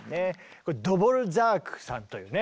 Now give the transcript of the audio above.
これドボルザークさんというね